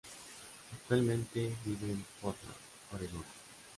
Actualmente, vive en Portland, Oregón.